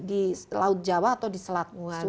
di laut jawa atau di selat nguan